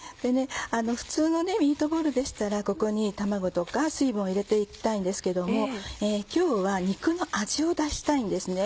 普通のミートボールでしたらここに卵とか水分を入れて行きたいんですけども今日は肉の味を出したいんですね。